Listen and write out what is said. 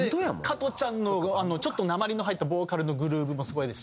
加トちゃんのちょっとなまりの入ったボーカルのグルーヴもすごいですし。